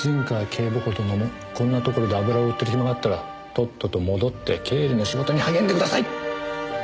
警部補殿もこんなところで油を売ってる暇があったらとっとと戻って経理の仕事に励んでください！